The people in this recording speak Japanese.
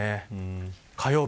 火曜日